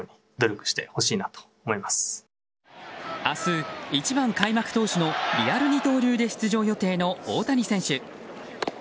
明日、１番、開幕投手のリアル二刀流で出場予定の大谷選手。